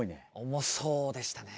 重そうでしたね。ね。